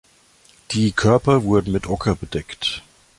Die Körper wurden mit Ocker bedeckt.